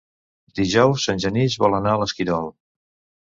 Dijous en Genís vol anar a l'Esquirol.